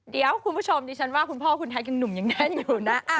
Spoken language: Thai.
เดี๋ยวคุณผู้ชมดิฉันว่าคุณพ่อคุณไทยคุณหนุ่มยังแน่นอยู่นะ